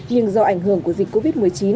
nhưng do ảnh hưởng của dịch covid một mươi chín